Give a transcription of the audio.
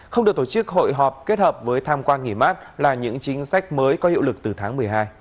không được tổ chức hội họp kết hợp với tham quan nghỉ mát là những chính sách mới có hiệu lực từ tháng một mươi hai